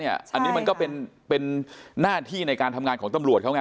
อันนี้มันก็เป็นหน้าที่ในการทำงานของตำรวจเขาไง